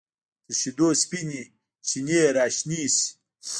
تر شیدو سپینې چینې راشنې شي